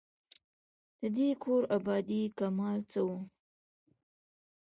د دې کور آبادۍ کمال څه وو.